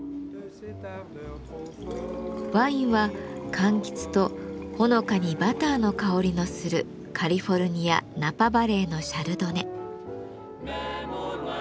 ワインはかんきつとほのかにバターの香りのするカリフォルニア・ナパバレーのシャルドネ。